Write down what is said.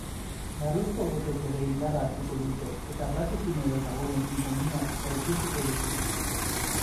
Larruzko botek ere indarra hartuko dute eta prakekin edota gonekin konbinatuta ikusiko ditugu.